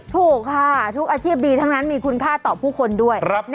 ถูกค่ะทุกอาชีพดีทั้งนั้นมีคุณค่าต่อผู้คนด้วย